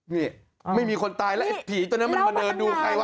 นี่ไม่มีคนตายแล้วไอ้ผีตัวนั้นมันมาเดินดูใครวะ